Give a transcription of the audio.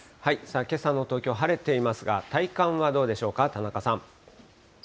けさの東京、晴れていますが、体感はどうでしょうか、田中さん。